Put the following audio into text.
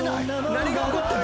何が起こってる？